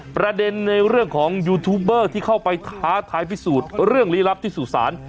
ประเด็นในเรื่องของยูทูบเบอร์ที่เข้าไปท้าทายพิสูจน์เรื่องลี้ลับที่สู่ศาล